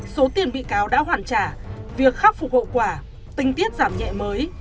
số tiền bị cáo đã hoàn trả việc khắc phục hậu quả tinh tiết giảm nhẹ mới